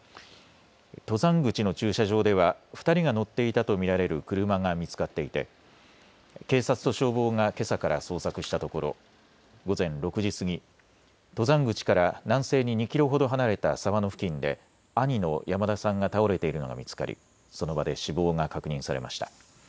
登山口の駐車場では２人が乗っていたと見られる車が見つかっていて警察と消防がけさから捜索したところ午前６時過ぎ、登山口から南西に２キロほど離れた沢の付近で兄の山田さんが倒れているのが見つかりその場で死亡が確認されました。